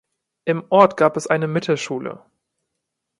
Im Ort gab es eine Mittelschule.